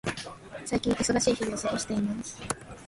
最近、忙しい日々を過ごしています。